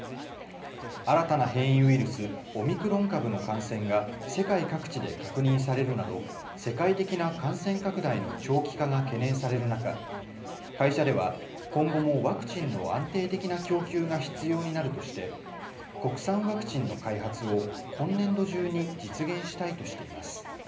新たな変異ウイルス、オミクロン株の感染が世界各地で確認されるなど、世界的な感染拡大の長期化が懸念される中、会社では、今後もワクチンの安定的な供給が必要になるとして、国産ワクチンの開発を今年度中に実現したいとしています。